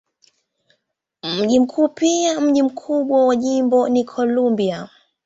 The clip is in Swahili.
Mji mkuu pia mji mkubwa wa jimbo ni Columbia.